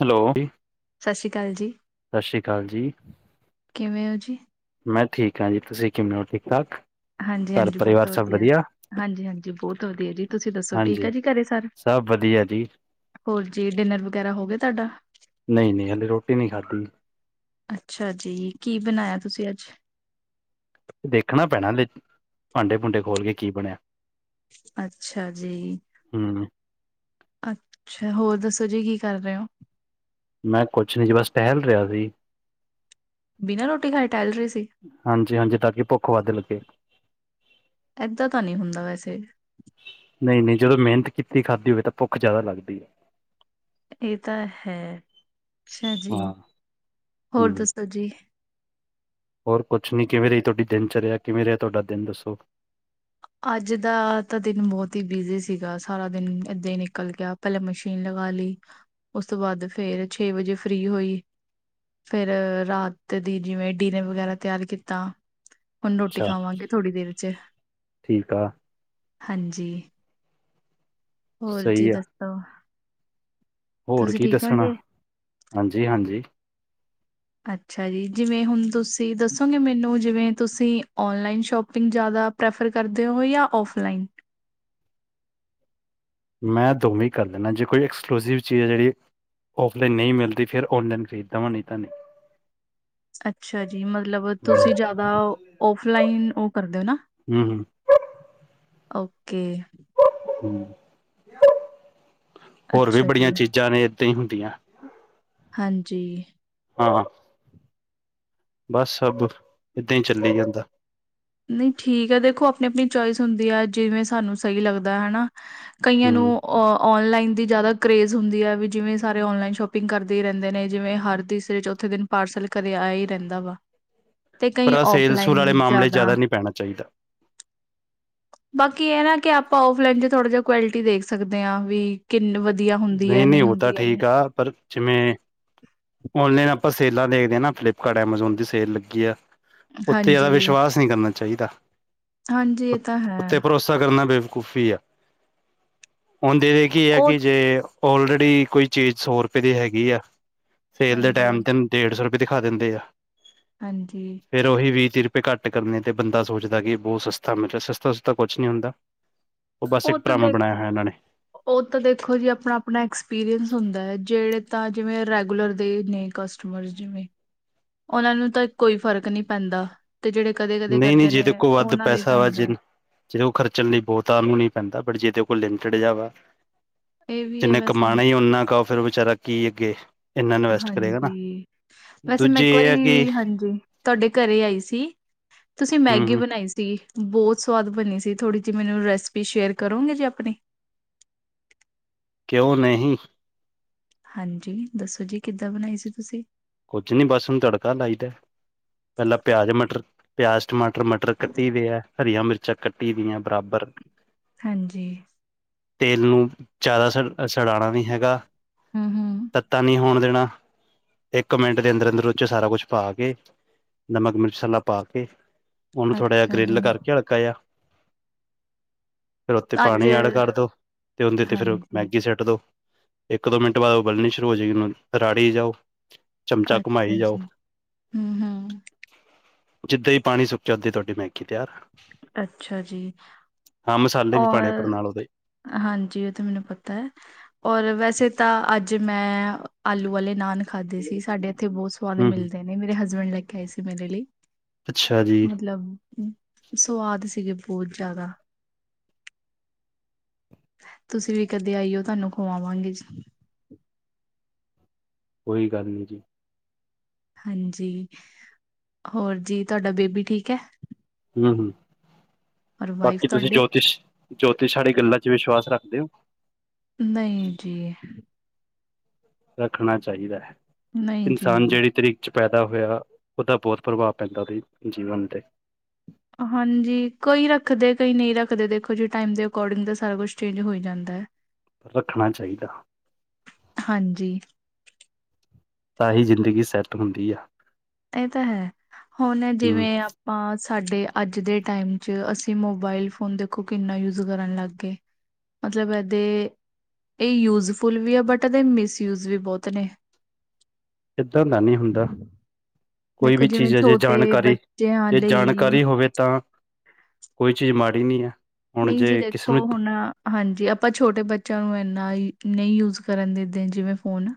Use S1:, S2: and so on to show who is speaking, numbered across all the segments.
S1: Hello
S2: ਸਤਿ ਸ਼੍ਰੀ ਅਕਾਲ ਜੀ
S1: ਸਤਿ ਸ਼੍ਰੀ ਅਕਾਲ ਜੀ
S2: ਕਿਵੇਂ ਓ ਜੀ
S1: ਮੈਂ ਠੀਕ ਹਾਂ ਜੀ ਤੁਸੀਂ ਕਿਵੇਂ ਓ ਠੀਕ ਠਾਕ
S2: ਹਾਂਜੀ
S1: ਘਰ
S2: ਹਾਂਜੀ ਬਹੁਤ
S1: ਪਰਿਵਾਰ ਸਭ
S2: ਵਧੀਆ ਹਾਂਜੀ ਹਾਂਜੀ ਬਹੁਤ ਵਧੀਆ ਜੀ ਤੁਸੀਂ ਦੱਸੋ ਠੀਕ
S1: ਹਾਂਜੀ
S2: ਆ ਜੀ ਘਰੇ ਸਾਰੇ
S1: ਸਭ ਵਧੀਆ ਜੀ
S2: ਹੋਰ ਜੀ ਡਿਨਰ ਵਗੈਰਾ ਹੋ ਗਿਆ ਜੀ ਤੁਹਾਡਾ
S1: ਨਹੀਂ ਨਹੀਂ ਹਾਲੇ ਰੋਟੀ ਨਹੀ ਖਾਧੀ
S2: ਅੱਛਾ ਜੀ ਕੀ ਬਣਾਇਆ ਤੁਸੀਂ ਅੱਜ
S1: ਦੇਖਣਾ ਪੈਣਾ ਦੇ ਭਾਂਡੇ ਭੂੰਡੇ ਖੋਲ ਕੇ ਕੀ ਬਣਿਆ
S2: ਅੱਛਾ ਜੀ
S1: ਹਮ
S2: ਅੱਛਾ ਹੋਰ ਦੱਸੋ ਜੀ ਕੀ ਕਰ ਰਹੇ ਹੋ
S1: ਮੈਂ ਕੁਛ ਨਹੀਂ ਜੀ ਬਸ ਟਹਿਲ ਰਿਹਾ ਸੀ
S2: ਬਿਨਾਂ ਰੋਟੀ ਖਾ ਟਹਿਲ ਰਹੀ ਸੀ
S1: ਹਾਂਜੀ ਹਾਂਜੀ ਤਾਂ ਕਿ ਭੁੱਖ ਵੱਧ ਲੱਗੇ
S2: ਏਦਾਂ ਤਾਂ ਨਹੀ ਹੁੰਦਾ ਵੈਸੇ
S1: ਨਹੀਂ ਨਹੀਂ ਜਦੋਂ ਮਿਹਨਤ ਕੀਤੀ ਖਾਧੀ ਹੋਵੇ ਤਾਂ ਭੁੱਖ ਜ਼ਿਆਦਾ ਲੱਗਦੀ ਐ
S2: ਇਹ ਤਾਂ ਹੈ ਅੱਛਾ ਜੀ
S1: ਹਾਂ
S2: ਹੋਰ
S1: ਹਮ
S2: ਦੱਸੋ ਜੀ
S1: ਹੋਰ ਕੁਛ ਨੀ ਕਿਵੇਂ ਰਹੀ ਤੁਹਾਡੀ ਦਿਨ ਚਾਰਿਆ ਕਿਵੇਂ ਰਿਹਾ ਤੁਹਾਡਾ ਦਿਨ ਦੱਸੋ
S2: ਅੱਜ ਦਾ ਤਾਂ ਦਿਨ ਬਹੁਤ ਹੀ ਬਿਜੀ ਸੀਗਾ ਸਾਰਾ ਦਿਨ ਏਦਾਂ ਹੀ ਨਿਕਲ ਗਿਆ ਪਹਿਲਾਂ ਮਸ਼ੀਨ ਲਗਾ ਲਈ ਉਸ ਤੋਂ ਬਾਅਦ ਫੇਰ ਛੇ ਵਜੇ ਫ੍ਰਰੀ ਹੋਈ ਫੇਰ ਰਾਤ ਦੀ ਜਿਵੇਂ ਡਿਨਰ ਵਗੈਰਾ ਤਿਆਰ ਕੀਤਾ ਹੁਣ ਰੋਟੀ
S1: ਅੱਛਾ
S2: ਖਾਵਾਂਗੇ ਥੋੜ੍ਹੀ ਦੇਰ ਚ
S1: ਠੀਕ ਆ
S2: ਹਾਂਜੀ ਹੋਰ ਜੀ
S1: ਸਹੀ ਆ
S2: ਦੱਸੋ
S1: ਹੋਰ
S2: ਤੁਸੀਂ
S1: ਕੀ
S2: ਠੀਕ ਹੋ
S1: ਦੱਸਣਾ
S2: ਜੀ?
S1: ਹਾਂਜੀ ਹਾਂਜੀ
S2: ਅੱਛਾ ਜੀ ਜਿਵੇਂ ਹੁਣ ਤੁਸੀਂ ਦੱਸੋਗੇ ਮੈਨੂੰ ਜਿਵੇਂ ਤੁਸੀਂ ਔਨਲਾਈਨ ਸ਼ੋਪਿੰਗ ਜ਼ਿਆਦਾ ਪ੍ਰੈਫਰ ਕਰਦੇ ਹੋ ਏ ਜਾਂ ਔਫਲਾਈਨ
S1: ਮੈਂ ਦੋਵੇਂ ਕਰ ਦਿੰਦਾ ਜੇ ਕੋਈ ਐਕਸਕਲੂਸਿਵ ਚੀਜ਼ ਹੈ ਜਿਹੜੀ ਔਫਲਾਈਨ ਨਹੀਂ ਮਿਲਦੀ ਫਿਰ ਔਨਲਾਈਨ ਖਰੀਦਦਾ ਵਾਂ ਨਹੀਂ ਤਾਂ ਨਈ
S2: ਅੱਛਾ ਜੀ ਮਤਲਬ ਤੁਸੀਂ
S1: ਨਹੀਂ
S2: ਜਿਆਦਾ ਓਫਲਾਈਨ ਉਹ ਕਰਦੇ ਹੋ ਨਾ
S1: ਹ [unintelligible]
S2: ਓਕੇ
S1: ਹੋਰ ਵੀ
S2: ਅੱਛਾ
S1: ਬੜੀਆਂ
S2: ਜੀ
S1: ਚੀਜ਼ਾਂ ਨੇ ਏਦਾਂ ਈ ਹੁੰਦੀਆਂ
S2: ਹਾਂਜੀ
S1: ਹਾਂ ਬਸ ਸਭ ਇਹੱਦਾਂ ਹੀ ਚੱਲੀ ਜਾਂਦਾ
S2: ਨਹੀਂ ਠੀਕ ਹੈ ਦੇਖੋ ਆਪਣੀ ਆਪਣੀ ਚੋਇਸ ਹੁੰਦੀ ਆ ਜਿਵੇਂ ਸਾਨੂੰ ਸਹੀ ਲੱਗਦਾ ਹਨਾ ਕਈਆਂ ਨੂੰ
S1: ਹੂੰ
S2: ਅ ਔਨਲਾਈਨ ਦੀ ਜ਼ਿਆਦਾ ਕਰੇਜ਼ ਹੁੰਦੀ ਆ ਵੀ ਜਿਵੇਂ ਸਾਰੇ ਔਨਲਾਈਨ ਸ਼ੋਪਿੰਗ ਕਰਦੇ ਈ ਰਹਿੰਦੇ ਨੇ ਜਿਵੇਂ ਹਰ ਤੀਸਰੇ ਚੌਥੇ ਦਿਨ ਪਾਰਸਲ ਘਰੇ ਆਇਆ ਹੀ ਰਹਿੰਦਾ ਵਾ ਤੇ
S1: ਪਰ
S2: ਕਈ
S1: ਆਹ ਸੇਲ ਸੂਲ
S2: ਔਫਲਾਈਨ
S1: ਵਾਲੇ ਮਾਮਲੇ
S2: ਜ਼ਿਆਦਾ
S1: ਨਹੀਂ ਪੈਣਾ ਚਾਹੀਦਾ
S2: ਬਾਕੀ ਇਹ ਨਾ ਕਿ ਆਪਾਂ ਔਫਲਾਈਨ ਚ ਥੋੜਾ ਜਹਾ ਕੁਆਲਿਟੀ ਦੇਖ ਸਕਦੇ ਹਾਂ ਵੀ ਕਿੰਨ ਵਧੀਆ ਹੁੰਦੀ ਹੈ ਨਹੀਂ ਹੁੰਦੀ ਹੈ ਨਹੀਂ
S1: ਹਾਂ, ਪਰ। ਜਿਵੇਂ, ਔਨਲਾਈਨ ਆਪਾਂ ਸੇਲਾਂ ਦੇਖਦੇ ਹਾਂ ਨਾ, ਫਲਿਪਕਾਰਟ, ਐਮਾਜੋਨ ਦੀ ਸੇਲ ਲੱਗੀ ਆ। ਉੱਥੇ ਜ਼ਿਆਦਾ
S2: ਹਾਂਜੀ
S1: ਵਿਸ਼ਵਾਸ ਨਹੀਂ ਕਰਨਾ ਚਾਹੀਦਾ।
S2: ਹਾਂਜੀ, ਇਹ ਤਾਂ
S1: ਉੱਤੇ
S2: ਹੈ।
S1: ਭਰੋਸਾ ਕਰਨਾ ਬੇਵਕੂਫ਼ੀ ਐ, ਹੁੰਦੇ ਇ ਹੈ ਕੀ।
S2: ਉਹ
S1: ਤੇ ਆਲਰੇਡੀ ਕੋਈ ਚੀਜ਼ ਸੌ ਰੁਪਏ ਦੀ ਹੈਗੀ ਆ, ਸੇਲ ਦੇ ਟੈਮ
S2: ਹਾਂਜੀ
S1: ਤੇ। ਡੇਢ ਸੌ ਰੁਪਏ ਦਿਖਾ ਦਿੰਦੇ ਆ।
S2: ਹਾਂਜੀ।
S1: ਫੇਰ ਉਹੀ ਵੀਹ-ਤੀਹ ਰੁਪਏ ਘੱਟ ਕਰਨੇ, ਤੇ ਬੰਦਾ ਸੋਚਦਾ ਕਿ ਬਹੁਤ ਸਸਤਾ, ਮਤਲਬ ਸਸਤਾ ਸੁਸਤਾ ਕੁਛ ਨਹੀਂ ਹੁੰਦਾ। ਉਹ ਬਸ ਇੱਕ
S2: ਤਾਂ
S1: ਡਰਾਮਾਂ
S2: ਦੇਖ
S1: ਬਣਾਇਆ ਹੋਇਆ ਉਹਨਾਂ ਨੇ।
S2: ਉਹ ਤਾਂ ਦੇਖੋ ਜੀ ਆਪਣਾ-ਆਪਣਾ ਐਕਸਪੀਰੀਅੰਸ ਹੁੰਦਾ ਹੈ, ਜਿਹੜੇ। ਤਾਂ ਜਿਵੇਂ, ਰੈਗੂਲਰ ਦੇ ਨੇ ਕਸਟਮਰ ਜਿਵੇਂ। ਉਹਨਾਂ ਨੂੰ ਤਾਂ ਕੋਈ ਫ਼ਰਕ ਨਹੀਂ ਪੈਂਦਾ, ਤੇ ਜਿਹੜੇ ਕਦੇ ਕਦੇ
S1: ਨਹੀਂ ਨਹੀਂ
S2: ਕਰਦੇ ਨੇ, ਉਹਨਾਂ ਲਈ ਤਾਂ ਹੁੰਦਾ ਹੈ।
S1: ਜੇਹੜੇ ਉਹ ਖਰਚਣ ਲਈ ਬਹੁਤਾਂ ਨੂੰ ਨੀ ਪੈਂਦਾ, ਬਟ ਜੀਹਦੇ ਕੋਲ ਲਿਮਿਟਡ ਜਾ ਵਾ।
S2: ਇਹ ਵੀ ਹੈ
S1: ਜਿੰਨੇ
S2: ਵੈਸੇ
S1: ਕਮਾਉਣਾ ਈ ਓਨਾ ਕੁ ਆ, ਫੇਰ ਵਿਚਾਰਾ ਕੀ ਅੱਗੇ। ਇੰਨਾ ਇਨਵੈਸਟ ਕਰੇਗਾ ਨਾ
S2: ਹਾਂਜੀ, ਵੈਸੇ ਮੈਂ
S1: ਦੂਜੀ
S2: ਇੱਕ
S1: ਇਹ
S2: ਵਾਰੀ,
S1: ਹੈ ਕਿ
S2: ਹਾਂਜੀ। ਤੁਹਾਡੇ ਘਰੇ ਆਈ ਸੀ, ਤੁਸੀਂ
S1: ਹਮ
S2: ਮੈਗੀ
S1: ਹਮ
S2: ਬਣਾਈ ਸੀ। ਬਹੁਤ ਸਵਾਦ ਬਣੀ ਸੀ, ਥੋੜੀ ਜਿਹੀ ਮੈਨੂੰ ਰੈਸਪੀ ਸ਼ੇਅਰ ਕਰੋਗੇ ਜੀ ਆਪਣੀ।
S1: ਕਿਉਂ ਨਹੀਂ।
S2: ਹਾਂਜੀ, ਦੱਸੋ ਜੀ, ਕਿੱਦਾਂ ਬਣਾਈ ਸੀ ਤੁਸੀਂ।
S1: ਕੁੱਝ ਨੀ ਬਸ ਓਹਨੂੰ ਤੜਕਾ ਲਾਈਦੈ, ਪਹਿਲਾਂ ਪਿਆਜ ਮਟਰ, ਪਿਆਜ ਟਮਾਟਰ। ਮਟਰ ਕੱਢੀ ਦੇ ਆ, ਹਰੀਆਂ ਮਿਰਚਾਂ ਕੱਟੀ ਦੀਆਂ ਬਰਾਬਰ।
S2: ਹਾਂਜੀ।
S1: ਤੇਲ ਨੂੰ ਜ਼ਿਆਦਾ ਸੜਾਉਣਾ ਨੀ ਹੈਗਾ,
S2: ਹੂੰ ਹੂੰ
S1: ਤੱਤਾ ਨਹੀਂ ਹੋਣ ਦੇਣਾ। ਇੱਕ ਮਿੰਟ ਦੇ ਅੰਦਰ ਅੰਦਰ ਉਹਇਚ ਸਾਰਾ ਕੁਛ ਪਾ ਕੇ, ਨਮਕ ਮਿਰਚ ਮਸਾਲਾ ਪਾ ਕੇ। ਉਹਨੂੰ ਥੋੜ੍ਹਾ ਜਿਹਾ
S2: ਅੱਛਾ ਜੀ
S1: ਗਰਿੱਲ ਕਰਕੇ, ਹਲਕਾ ਜਾ ਫਿਰ ਉੱਥੇ
S2: ਅੱਜ
S1: ਪਾਣੀ ਐਡ ਕਰ ਦੋ, ਤੇ ਉਹਦੇ ਤੇ ਫਿਰ
S2: ਹਾਂਜੀ
S1: ਮੈਗੀ ਸਿੱਟ ਦੋ। ਇੱਕ ਦੋ ਮਿੰਟ ਬਾਅਦ ਉਹ ਗਲਣੀ ਸ਼ੁਰੂ ਹੋ ਜਾਏਗੀ, ਰਾੜੀ ਜਾਓ। ਚਮਚਾ
S2: ਅੱਛਾ
S1: ਘੁਮਾਈ ਜਾਓ।
S2: ਜੀ ਹੂੰ ਹੂੰ
S1: ਜਿੱਦਾਂ ਹੀ ਪਾਣੀ ਸੁੱਕਿਆ, ਓਦਾਂ ਹੀ ਤੁਹਾਡੀ ਮੈਗੀ ਤਿਆਰ।
S2: ਅੱਛਾ ਜੀ,
S1: ਹਾਂ ਮਸਾਲੇ ਵੀ ਪਾਣੇ ਪਰ
S2: ਔਰ।
S1: ਨਾਲ ਉਹਦੇ
S2: ਹਾਂਜੀ, ਉਹ ਤੇ ਮੈਨੂੰ ਪਤਾ ਹੈ। ਔਰ ਵੈਸੇ ਤਾਂ, ਅੱਜ ਮੈਂ, ਆਲੂ ਵਾਲੇ ਨਾਨ। ਖਾਧੇ ਸੀ, ਸਾਡੇ ਇੱਥੇ ਬਹੁਤ ਸਵਾਦ
S1: ਹੂੰ ਹੂੰ
S2: ਮਿਲਦੇ ਨੇ, ਮੇਰੇ ਹਸਬੈਂਡ ਲੈ ਕੇ ਆਏ ਸੀ ਮੇਰੇ ਲਈ।
S1: ਅੱਛਾ ਜੀ
S2: ਮਤਲਬ, ਸਵਾਦ ਸੀ ਗੇ, ਬਹੁਤ ਜ਼ਿਆਦਾ। ਤੁਸੀਂ ਵੀ ਕਦੇ ਆਈਓ, ਤੁਹਾਨੂੰ ਖਵਾਵਾਂਗੇ ਜੀ।
S1: ਕੋਈ ਗੱਲ ਨਹੀਂ ਜੀ।
S2: ਹਾਂਜੀ, ਹੋਰ ਜੀ, ਤੁਹਾਡਾ ਬੇਬੀ ਠੀਕ ਹੈ।
S1: ਹਮ ਹ,
S2: ਔਰ ਵਾਈਫ
S1: ਬਾਕੀ ਤੁਸੀਂ
S2: ਤੁਹਾਡੇ
S1: ਜੋਤਿਸ਼, ਜੋਤਿਸ਼ ਆਲੀ ਗੱਲਾਂ ਵਿੱਚ ਵਿਸ਼ਵਾਸ ਰੱਖਦੇ ਹੋ।
S2: ਨਹੀਂ ਜੀ।
S1: ਰੱਖਣਾ ਚਾਹੀਦਾ ਹੈ,
S2: ਨਹੀਂ ਜੀ
S1: ਇਨਸਾਨ
S2: ਨਹੀਂ
S1: ਜਿਹੜੀ ਤਰੀਕੇ। ਪੈਦਾ ਹੋਇਆ, ਉਹਦਾ ਬਹੁਤ ਪ੍ਰਭਾਵ ਪੈਂਦਾ, ਉਹਦੇ ਜੀਵਨ 'ਤੇ।
S2: ਹਾਂਜੀ, ਕੋਈ ਰੱਖਦੇ, ਕਈ ਨਹੀਂ ਰੱਖਦੇ, ਦੇਖੋ ਜੀ ਟਾਈਮ ਦੇ ਅਕੋਰਡਿੰਗ ਤਾਂ ਸਾਰਾ ਕੁਛ ਚੇਂਜ ਹੋਈ ਜਾਂਦੈ।
S1: ਰੱਖਣਾ ਚਾਹੀਦਾ।
S2: ਹਾਂਜੀ।
S1: ਤਾਂ ਹੀ ਜ਼ਿੰਦਗੀ ਸੈੱਟ ਹੁੰਦੀ ਆ।
S2: ਇਹ ਤਾਂ ਹੈ, ਹੁਣ
S1: ਹਮ
S2: ਜਿਵੇਂ ਹਾਂ ਸਾਡੇ ਅੱਜ ਦੇ ਟਾਈਮ 'ਚ, ਅਸੀਂ ਮੋਬਾਇਲ ਫੋਨ ਦੇਖੋ, ਕਿੰਨਾ ਯੂਜ ਕਰਨ ਲੱਗ ਗਏ। ਮਤਲਬ ਇਹਦੇ ਇਹ ਯੂਜਫੁਲ ਵੀ ਆ, ਬਟ ਇਹਦੇ ਮਿਸਯੂਜ ਵੀ ਬਹੁਤ ਨੇ।
S1: ਇਦਾਂ ਦਾ ਨਹੀਂ ਹੁੰਦਾ। ਕੋਈ
S2: ਦੇਖੋ
S1: ਵੀ
S2: ਜਿਵੇਂ
S1: ਚੀਜ਼ ਹੈ ਜੇ
S2: ਛੋਟੇ
S1: ਜਾਣਕਾਰੀ,
S2: ਬੱਚਿਆਂ
S1: ਜੇ
S2: ਲਈ
S1: ਜਾਣਕਾਰੀ ਹੋਵੇ ਤਾਂ ਕੋਈ ਚੀਜ਼, ਮਾੜੀ ਨਹੀਂ ਹੈ। ਹੁਣ
S2: ਨਹੀਂ ਜੀ
S1: ਜੇ ਕਿਸੇ
S2: ਦੇਖੋ,
S1: ਨੂੰ
S2: ਹੁਣ ਹਾਂਜੀ, ਆਪਾਂ ਛੋਟੇ ਬੱਚਿਆਂ ਨੂੰ, ਇਨਾ ਨਹੀਂ ਯੂਜ ਕਰਨ ਦੇਦੇ ਜਿਵੇਂ ਫੋਨ।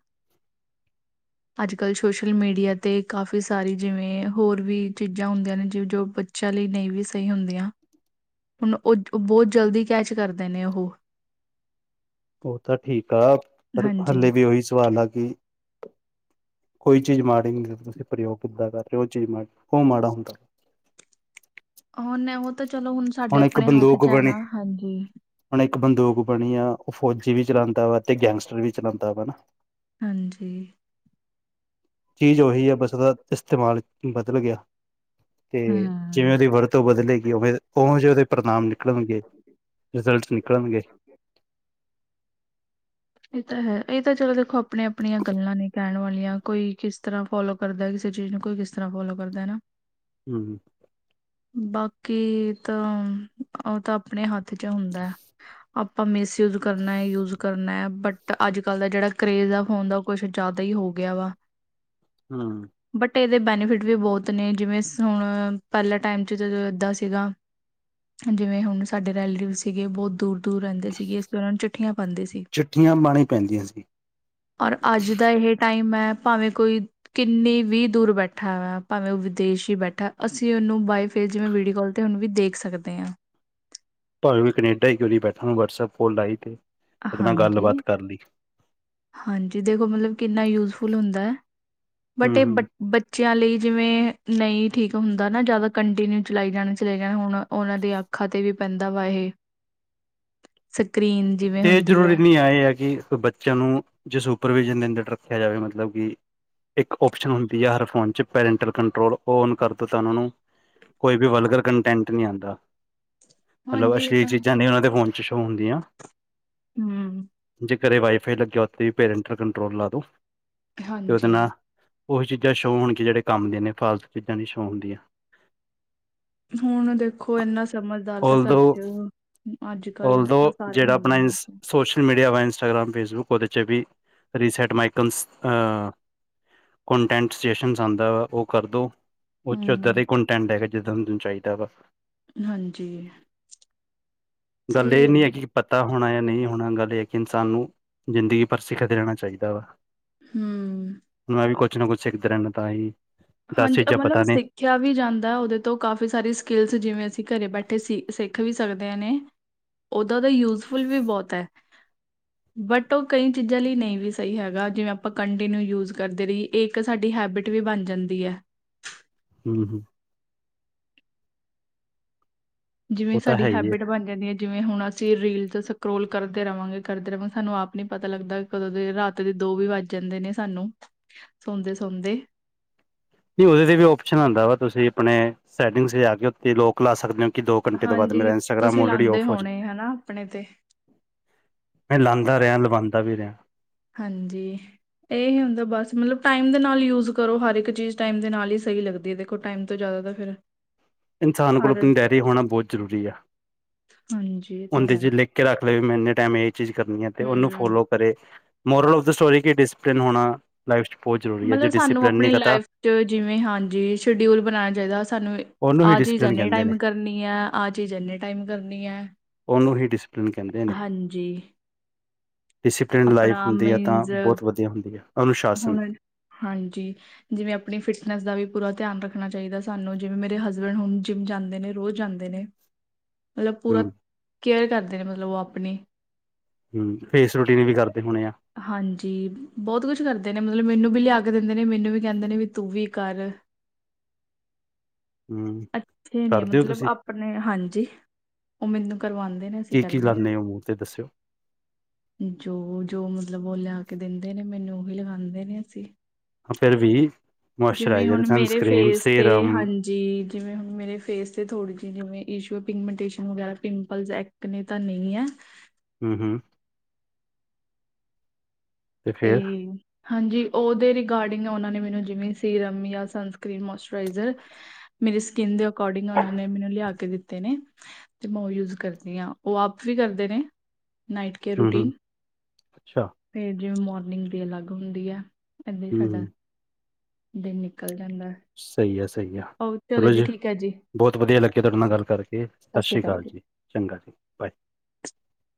S2: ਅੱਜ ਕੱਲ੍ਹ ਸੋਸ਼ਲ ਮੀਡੀਆ ਤੇ ਕਾਫ਼ੀ ਸਾਰੀ, ਜਿਵੇਂ ਹੋਰ ਵੀ ਚੀਜ਼ਾਂ ਹੁੰਦੀਆਂ ਨੇ ਜਿਵੇਂ ਜੋ ਬੱਚਾ ਲਈ ਨਹੀਂ ਵੀ ਸਹੀ ਹੁੰਦੀਆਂ, ਹੁਣ ਉਹ ਬਹੁਤ ਜਲਦੀ ਕੈਚ ਕਰਦੇ ਨੇ ਉਹ।
S1: ਉਹ ਤਾਂ ਠੀਕ ਆ, ਪਰ
S2: ਹਾਂਜੀ।
S1: ਹਲੇੇ ਵੀ ਉਹੀ ਸਵਾਲ ਆ ਕਿ ਕੋਈ ਚੀਜ਼ ਮਾੜੀ ਨਹੀਂ, ਤੁਸੀਂ ਪ੍ਰਯੋਗ ਕਿੱਦਾਂ ਕਰ ਰਹੇ ਹੋ ਉਹ ਚੀਜ਼ ਮਾੜੀ, ਉਹ ਮਾੜਾ ਹੁੰਦਾ।
S2: ਉਹਨ ਉਹ ਤਾਂ ਚਲੋ, ਹੁਣ ਸਾਡੇ
S1: ਇੱਕ
S2: ਆਪਣੇ ਹੱਥ
S1: ਬੰਦੂਕ
S2: 'ਚ ਹੈ
S1: ਬਣੀ
S2: ਨਾ, ਹਾਂਜੀ।
S1: ਹੁਣ ਇੱਕ ਬੰਦੂਕ ਬਣੀ ਆ, ਉਹ ਫੌਜੀ ਵੀ ਚਲਾਉਂਦਾ ਵਾ ਤੇ ਗੈਂਗਸਟਰ ਵੀ ਚਲਾਉਂਦਾ ਵਾ, ਹਨਾ।
S2: ਹਾਂਜੀ।
S1: ਚੀਜ਼ ਉਹੀ ਹੈ, ਬਸ ੳਦਾ ਇਸਤੇਮਾਲ ਬਦਲ ਗਿਆ। ਤੇ ਜਿਵੇਂ
S2: ਹਮ।
S1: ਉਹਦੀ ਵਰਤੋਂ ਬਦਲੇਗੀ, ਉਵੇਂ ਉਹੋ ਜਿਹੇ ਉਹਦੇ ਪ੍ਰਣਾਮ ਨਿਕਲਣਗੇ, ਰਿਜ਼ਲਟ ਨਿਕਲਣਗੇ।
S2: ਠੀਕ ਹੈ। ਇਹ ਤਾਂ ਹੈ। ਇਹ ਤਾਂ ਚਲੋ ਦੇਖੋ ਆਪੀਆਂ ਆਪਣੀਆਂ ਗੱਲਾਂ ਨੇ ਕਹਿਣ ਵਾਲੀਆਂ, ਕੋਈ ਕਿਸ ਤਰ੍ਹਾਂ ਫੋਲੋ ਕਰਦਾ ਕਿਸੇ ਚੀਜ਼ ਨੂੰ, ਕੋਈ ਕਿਸ ਤਰ੍ਹਾਂ ਫੋਲੋ ਕਰਦਾ, ਨਾ।
S1: ਹਮ ਹ।
S2: ਬਾਕੀ ਤਾਂ, ਉਹ ਤਾਂ ਆਪਣੇ ਹੱਥ 'ਚ ਹੁੰਦਾ ਹੈ, ਆਪਾਂ ਮੇਸ ਯੂਜ਼ ਕਰਨਾ ਹੈ, ਯੂਜ ਕਰਨਾ ਹੈ ਬਟ ਤਾਂ ਅੱਜ ਕਲ੍ਹ ਦਾ ਜਿਹੜਾ ਕਰੇਜ ਆ ਫੋਨ ਦਾ, ਉਹ ਕੁਛ ਜ਼ਿਆਦਾ ਹੀ ਹੋ ਗਿਆ ਵਾ।
S1: ਹਮ।
S2: ਬਟ ਇਹਦੇ ਬੈਨੀਫਿਟ ਵੀ ਬਹੁਤ ਨੇ, ਜਿਵੇਂ ਹੁਣ ਪਹਿਲਾਂ ਟਾਈਮ 'ਚ ਜਦੋਂ ਇੱਦਾਂ ਸੀਗਾ, ਜਿਵੇਂ ਹੁਣ ਸਾਡੇ ਰੈਲੇਟਿਵ ਸੀਗੇ ਬਹੁਤ ਦੂਰ ਦੂਰ ਰਹਿੰਦੇ ਸੀਗੇ, ਇਸ ਦੌਰਾਨ ਚਿੱਠੀਆਂ ਪਾਉਂਦੇ ਸੀ।
S1: ਚਿੱਠੀਆਂ ਪਾਣੀ ਪੈਂਦੀਆਂ ਸੀ
S2: ਔਰ ਅੱਜ ਦਾ ਇਹ ਟਾਈਮ ਹੈ, ਭਾਵੇਂ ਕੋਈ ਕਿੰਨੀ ਵੀ ਦੂਰ ਬੈਠਾ ਵਾ, ਭਾਵੇਂ ਉਹ ਵਿਦੇਸ਼ ਹੀ ਬੈਠਾ, ਅਸੀਂ ਉਹਨੂੰ ਬਾਏ ਫੇਸ ਜਿਵੇਂ ਵੀਡੀਓ ਕਲ ਤੇ, ਹੁਣ ਵੀ ਦੇਖ ਸਕਦੇ ਹਾਂ।
S1: ਭਾਵੇਂ ਵੀ ਕਨੇਡਾ ਹੀ ਕਿਉਂ ਨੀ ਬੈਠਾ, ਵਟਸਐਪ ਫੋਨ ਲਾਈ ਤੇ ਉਹਦੇ ਨਾਲ
S2: ਹਾਂਜੀ।
S1: ਗੱਲਬਾਤ ਕਰ ਲਈ।
S2: ਹਾਂਜੀ, ਦੇਖੋ ਮਤਲਬ ਕਿੰਨਾ ਯੂਜਫੁਲ ਹੁੰਦਾ ਹੈ, ਬਟ
S1: ਹਮ
S2: ਇਹ ਬ
S1: ਹਮ
S2: ਬੱਚਿਆਂ ਲਈ ਜਿਵੇਂ ਨਹੀਂ ਠੀਕ ਹੁੰਦਾ ਨਾ ਜਿਆਦਾ ਕੰਟੀਨਿਊ ਚਲਾਈ ਜਾਣਾ, ਚਲਾਏ ਜਾਣੇ, ਹੁਣ ਉਹਨਾਂ ਦੇ ਆਪ ਅੱਖਾਂ ਤੇ ਵੀ ਪੈਂਦਾ ਵਾ ਇਹ। ਸਕਰੀਨ ਜਿਵੇਂ
S1: ਇਹ
S2: ਹੁੰਦੀ ਹੈ।
S1: ਜ਼ਰੂਰੀ ਨਹੀਂ ਆ, ਇਹ ਹੈ ਕਿ ਬੱਚਿਆਂ ਨੂੰ ਜੇ ਸੁਪਰਵਿਜ਼ਨ ਦੇ ਅੰਦਰ ਰੱਖਿਆ ਜਾਵੇ ਮਤਲਬ ਕਿ ਇੱਕ ਓਪਸ਼ਨ ਹੁੰਦੀ ਆ ਹਰ ਫੋਨ 'ਚ, ਪੈਰੈਂਟਲ ਕੰਟਰੋਲ, ਔਨ ਕਰ ਦਿਉ ਤਾਂ ਉਹਨਾਂ ਨੂੰ ਕੋਈ ਵੀ ਵਲਗਰ ਕੰਟੈਂਟ ਨਹੀਂ ਆਉਂਦਾ, ਮਤਲਬ
S2: ਹਾਂਜੀ ਇਹ
S1: ਅਸ਼ਲੀ
S2: ਤਾਂ
S1: ਚੀਜ਼ਾਂ ਨਹੀਂ ਉਹਨਾਂ ਦੇ ਫੋਨ 'ਚ ਸ਼ੂਅ ਹੁੰਦੀਆਂ।
S2: ਹਮ।
S1: ਜੇ ਘਰ ਇਹ ਵਾਈਫਾਈ ਲੱਗਿਆ, ਉੱਥੇ ਵੀ ਪੇਰੈਂਟ ਕੰਟਰੋਲ ਲਾ ਦੋ ਤੇ ਉਹਦੇ
S2: ਹਾਂਜੀ।
S1: ਨਾਲ ਉਹੀ ਚੀਜ਼ਾਂ ਸ਼ੋਹ ਹੋਣੀਆਂ ਜਿਹੜੇ ਕੰਮ ਦੀਆਂ ਨੇ, ਫਾਲਤੂ ਚੀਜ਼ਾਂ ਦੀ ਸ਼ੋਹ ਹੁੰਦੀਆਂ।
S2: ਹੁਣ ਦੇਖੋ ਏਨਾ ਸਮਝਦਾਰ ਤਾਂ ਕੱਰ
S1: ਓਲਦੋ
S2: ਚੋ ਈ ਏ। ਅੱਜ-ਕੱਲ
S1: ਓਲਦੋ
S2: ਤਾਂ ਸਾਰੇ
S1: ਜਿਹੜਾ
S2: ਹੁੰਦੇ
S1: ਆਪਣਾ
S2: ਨੇ।
S1: ਸੋਸ਼ਲ ਮੀਡੀਆ ਵ ਇੰਸਟਾਗ੍ਰਮ ਫੇਸਬੁੱਕ ਓਦੇ ਚ ਵੀ ਰੀਸੈਂਟ ਮਾਈਕਨਸ ਅ ਕੰਟੈਂਟ ਸਟੇਸ਼ਨਸ ਆਦਾ, ਓ ਕਰ ਦੋ। ਓ ਚ ਓਦਾਂ
S2: ਹੂੰ,
S1: ਦੇ ਈ ਕੰਟੈਂਟ ਹੈਗੇ। ਜਿੱਦਾਂ ਤੁੈਨੂੰ ਚਾਇਦਾ ਵਾ।
S2: ਹਾਂਜੀ
S1: ਗੱਲ
S2: ਸਹੀ
S1: ਏ ਨੀ
S2: ਹੈ
S1: ਐ ਕਿ ਪਤਾ ਹੋਣਾ ਏ ਨਹੀਂ ਹੋਣਾ ਗੱਲ ਇਕ ਇਨਸਾਨ ਨੂੰ ਜ਼ਿੰਦਗੀ ਪਰ ਸਿਖਦੇ ਰਹਿਣਾ ਚਾਇਦਾ ਵਾ।
S2: ਹੂੰ।
S1: ਮੈਂ ਵੀ ਕੁਛ ਨਾ ਕੁਛ ਸਿੱਖਦਾ ਰੈੰਦਾ ਤਾਂ ਈ।
S2: ਹਾਂਜੀ ਐ ਮੰਨੋਗੇ ਤੁਸੀ ਸਿੱਖਿਆ ਵੀ ਜਾਂਦਾ ਓਦੇ ਤੋਂ ਕਾਫੀ ਸਾਰੀ ਸਕਿਲਸ ਜਿਵੇਂ ਅਸੀਂ ਘਰੇ ਬੈਠੇ ਸਿੱਖ ਵੀ ਸਕਦੇ ਨੇ। ਉਦਾਂ ਤੇ ਯੂਜਫੁਲ ਵੀ ਬੋਤ ਐ। ਬਟ ਓ ਕਈ ਚੀਜ਼ਾਂ ਲਈ ਨਹੀਂ ਵੀ ਸਹੀ ਹੈਗਾ, ਜਿਵੇਂ ਆਪਾਂ ਕੰਟੀਨਿਊ ਯੂਜ ਕਰਦੇ ਰੀ ਏ- ਇੱਕ ਸਾਡੀ ਹੈਬਿਟ ਵੀ ਬਣ ਜਾਂਦੀ ਐ।
S1: ਹੂੰ-ਹੂੰ।
S2: ਜਿਵੇਂ
S1: ਉਹ ਤਾਂ
S2: ਸਾਡੀ
S1: ਹੈ ਹੀ ਹੈ
S2: ਹੈਬਿਟ ਬਣ ਜਾਂਦੀ ਏ। ਜਿਵੇਂ ਹੁਣ ਅਸੀਂ ਰੀਲ ਚ ਸਕਰੋਲ ਕਰਦੇ ਰਵਾਂਗੇ-ਕਰਦੇ ਰਵਾਂਗੇ ਸਾਨੂੰ ਆਪ ਨੀ ਪਤਾ ਲੱਗਦਾ ਕਦੋਂ ਦੇ ਰਾਤ ਦੇ ਦੋ ਵੀ ਵੱਜ ਜਾਂਦੇ ਨੇ ਸਾਨੂੰ ਸੌਦੇ-ਸੌਦੇ।
S1: ਨਹੀਂ ਓਦੇ ਤੇ ਵੀ ਓਪਸ਼ਨ ਆਂਦਾ ਵਾ ਤੁਸੀਂ ਅਪਣੇ ਸੈਟਿੰਗ ਤੇ ਜਾ ਕੇ ਤੇ ਲੋਕ ਲਾ ਸਕਦੇ ਆ ਕਿ ਦੋ ਘੰਟੇ ਤੋਂ ਬਾਦ
S2: ਹਾਂਜੀ
S1: ਮੇਰਾ ਇੰਸਟਾਗ੍ਰਾਮ
S2: ਤੁਸੀਂ
S1: ਆਲਰੇਡੀ
S2: ਲਾਂਦੇ
S1: ਔਫ ਹੋ
S2: ਹੋਣੇ
S1: ਜੇਵੇ।
S2: ਹਨਾ ਆਪਣੇ ਤੇ
S1: ਮੈਂ ਲਾਦਾ ਰੇਆ ਲਵਾਂਦਾ ਵੀ ਰੈਆ।
S2: ਹਾਂਜੀ। ਏਹੀ ਹੁੰਦਾ ਬਸ ਮਤਲਬ ਟਾਈਮ ਦੇ ਨਾਲ ਯੂਜ ਕਰੋ ਹਰ ਇੱਕ ਚੀਜ਼ ਟਾਈਮ ਦੇ ਨਾਲ ਈ ਸਈ ਲੱਗਦੀ ਏ ਦੇਖੋ। ਓ ਟਾਈਮ ਤੋਂ ਜਾਦਾ ਤੇ ਫੇਰ
S1: ਇਨਸਾਨ ਕੋਲ ਅਪਣੀ ਡੈਰੀ ਹੋਣਾ ਬੋਹਤ ਜ਼ਰੂਰੀ ਆ।
S2: ਹਾਂਜੀ। ਤਾਂ
S1: ਉਂਹਦੇ ਚ
S2: ਹੈ
S1: ਲਿਖ ਕੇ ਰੱਖ ਲੇ ਵੀ ਮੈਂ ਏਨੇ ਟੈਮ ਏ ਚੀਜ਼ ਕਰਨੀ ਐਂ ਤੇ ਓਨੂੰ
S2: ਹਮ
S1: ਫੋਲੋ ਕਰੇ ਮੋਰਲ ਆਫ ਦਾ ਸਟੋਰੀ ਕਿ ਡਿਸੀਪਲਿਨ ਹੋਣਾ ਲਾਈਫ ਚ ਬੋਤ ਜ਼ਰੂਰੀ ਏ। ਜੇ ਡਿਸਿਪਲਿਨ ਨੀ ਪਤਾ
S2: ਚਲੋ ਜਿਵੇਂ ਹਾਂਜੀ ਸ਼ਐਡਿਊਲ ਬਣਾਣਾ ਚਾਇਦਾ ਸਾਨੂੰ
S1: ਉਹਨੂੰ ਹੀ
S2: ਆ ਚੀਜ਼
S1: ਡਿਸਪਲਿਨ
S2: ਏਨੇ
S1: ਕਹਿੰਦੇ ਨੇ
S2: ਟਾਈਮ ਕਰਨੀ ਐਂ, ਆ ਚੀਜ਼ ਏਨੇ ਟਾਈਮ ਕਰਨੀ ਐ।
S1: ਡਿਸੀਪਲਿਨ ਰਹਿੰਦੇ ਨੇ।
S2: ਹਾਂਜੀ।
S1: ਡਿਸੀਪਲਿਨ ਲਾਈਫ
S2: ਆਪਣਾ
S1: ਹੁੰਦੀ ਐ ਤਾਂ
S2: ਮੀਨਜ਼
S1: ਬੋਹਤ ਵਧੀਆ ਹੁੰਦੀ ਐ। ਅਨੁਸ਼ਾਸਨ
S2: ਹੁਣ ਹਾਂਜੀ। ਜਿਵੇਂ ਆਪਣੀ ਫਿਟਨੈਸ ਦਾ ਵੀ ਪੂਰਾ ਧਿਆਨ ਰੱਖਣਾ ਚਾਇਦਾ ਸਾਨੂੰ। ਜਿਵੇਂ ਮੇਰੇ ਹਸਬੈਂਡ ਹੁਣ ਜਿੰਮ ਜਾਂਦੇ ਨੇ ਰੋਜ਼ ਜਾਂਦੇ ਨੇ। ਮਤਲਬ ਪੂਰਾ
S1: ਹਮ
S2: ਕੇਅਰ ਕਰਦੇ ਨੇ ਮਤਲਬ ਓ ਆਪਣੀ।
S1: ਹੂੰ ਫੇਸ ਰੂਟੀਨ ਵੀ ਕਰਦੇ ਹੋਣੇ ਆ।
S2: ਹਾਂਜੀ। ਬੋਤ ਕੁਛ ਕਰਦੇ ਨੇ ਮਤਲਬ ਮੈਨੂੰ ਵੀ ਲਿਆ ਕੇ ਦਿੰਦੇ ਨੇ ਮੈਨੂੰ ਵੀ ਕਹਿੰਦੇ ਨੇ ਵੀ ਤੂੰ ਵੀ ਕਰ।
S1: ਹਮ
S2: ਅੱਛੇ ਨੇ
S1: ਕਰਦੇ ਹੋ ਤੁਸੀਂ
S2: ਮਤਲਬ ਆਪਣੇ ਹਾਂਜੀ ਓ ਮੇਨੂੰ ਕਰਵਾਂਦੇ ਨੇ ਅਸੀਂ
S1: ਕੀ-ਕੀ
S2: ਕਰਦੇ ਆਂ।
S1: ਲਾਂਦੇ ਓ ਮੂੰਹ ਤੇ ਦੱਸਿਓ?
S2: ਜੋ-ਜੋ ਮਤਲਬ ਓ ਲਿਆ ਕੇ ਦਿੰਦੇ ਨੇ ਮੈਨੂੰ ਓਹੀ ਲਗਾਦੇ ਨੇ ਅਸੀਂ।
S1: ਫੇਰ ਵੀ
S2: ਜਿਵੇਂ
S1: ਮੋਇਸਚਰਾਈਜ਼ਰ,
S2: ਹੁਨ ਮੇਰੇ
S1: ਸਨਸਕ੍ਰੀਮ,
S2: ਫੇਸ ਤੇ
S1: ਸੀਰਮ
S2: ਹਾਂ ਜੀ ਜਿਵੇਂ ਹੁਨ ਮੇਰੇ ਫੇਸ ਤੇ ਥੋੜ੍ਹੀ ਜੀ ਜਿਵੇਂ ਇਸ਼ੂ ਪਿਗਮੈਂਟੇਸ਼ਨ ਵਗੈਰਾ ਪਿੰਪਲਸ ਐਕਨੇ ਤਾਂ ਨਈ ਐ।
S1: ਹੂੰ, ਹੂੰ।
S2: ਤੇ ਹਾਂਜੀ, ਓਦੇ ਰਿਗਾਰਡਿੰਗ ਓਨਾਂ ਨੇ ਮੈਨੂੰ ਜਿਵੇਂ ਸੀਰਮ ਯਾ ਸਨਸਕ੍ਰੀਨ, ਮੋਸਚਰਾਈਜ਼ਰ ਮੇਰੀ ਸਕਿੰਨ ਦੇ ਅਕੋਰਡਿੰਗ ਓਨਾਂ ਨੇ ਮੈਨੂੰ ਲਿਆ ਕੇ ਦਿੱਤੇ ਨੇ। ਤੇ ਮੈਂ ਓ ਯੂਜ ਕਰਨੀ ਆਂ ਓ ਆਪ ਵੀ ਕਰਦੇ ਨੇ ਨਾਈਟ ਕੇਰ
S1: ਹੂੰ-ਹੂੰ
S2: ਰੂਟੀਨ
S1: ਅੱਛਾ।
S2: ਤੇ ਜਿਵੇਂ ਮੋਰਨਿਗ ਦੀ ਅਲਗ ਹੁੰਦੀ ਐ, ਏਦਾਂ ਈ ਸਾਡਾ
S1: ਹੂੰ-ਹੂੰ
S2: ਦਿਨ ਨਿਕਲ ਜਾਂਦਾ।
S1: ਸਈ ਐ ਸਹੀ ਆ,
S2: ਉਹ
S1: ਚਲੋ ਜੀ।
S2: ਠੀਕ ਹੈ ਸਤਿ
S1: ਬੋਤ ਵਧੀਆ ਲਗਯਾ ਤੁਹਾਡੇ ਨਾਲ ਗੱਲ ਕਰਕੇ, ਸਸ
S2: ਸ਼੍ਰੀ
S1: ਸ਼ੀ
S2: ਅਕਾਲ
S1: ਕਾਲ ਜੀ, ਚੰਗਾ ਜੀ। ਬਾਏ।
S2: [inaudible]